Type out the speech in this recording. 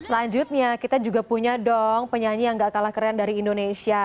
selanjutnya kita juga punya dong penyanyi yang gak kalah keren dari indonesia